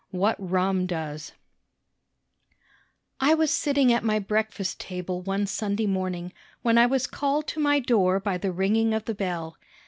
WHAT RUM DOES I was sitting at my breakfast table one Sunday morning, when I was called to my door by the ringing of the bell.